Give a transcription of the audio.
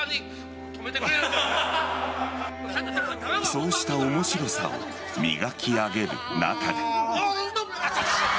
そうした面白さを磨き上げる中で。